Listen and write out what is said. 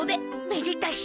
めでたし！